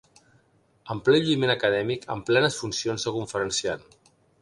...en ple lluïment acadèmic, en plenes funcions de conferenciant.